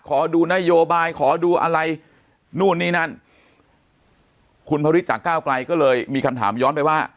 ขอดูนโยบายขอดูอะไรนู่นนี่นั่นคุณพระฤทธิจากก้าวไกลก็เลยมีคำถามย้อนไปว่า